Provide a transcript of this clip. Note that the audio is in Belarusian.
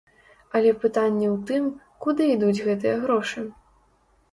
Але пытанне ў тым, куды ідуць гэтыя грошы?